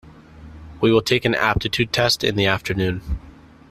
We will take an aptitude test in the afternoon.